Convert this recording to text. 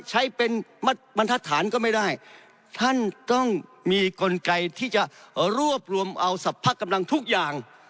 ใช้เป็นบรรทัศนก็ไม่ได้ท่านต้องมีกลไกที่จะรวบรวมเอาสรรพกำลังทุกอย่าง